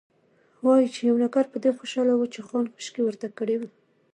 وايي، یو نوکر په دې خوشاله و چې خان خوشکې ورته کړې وې.